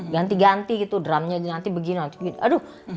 ganti ganti gitu drumnya nanti begini aduh